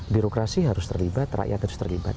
birokrasi harus terlibat rakyat harus terlibat